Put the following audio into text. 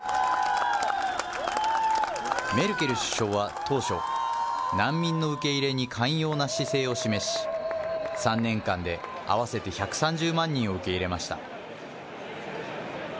メルケル首相は当初、難民の受け入れに寛容な姿勢を示し、３年間で合わせて１３０万人を受け入れました。